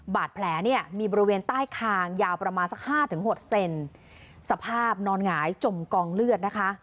บาดแผลเนี่ยมีบริเวณใต้คางยาวประมาณสักห้าถึงหดเซนสภาพนอนหงายจมกองเลือดนะคะ